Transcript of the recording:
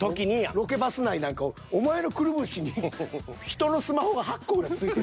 ロケバス内なんかお前のくるぶしにひとのスマホが８個ぐらい付いてる。